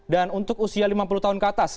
dan untuk usia lima puluh tahun ke atas